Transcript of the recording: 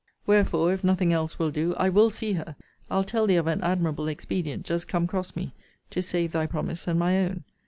Wherefore, if nothing else will do, I will see her. I'll tell thee of an admirable expedient, just come cross me, to save thy promise, and my own.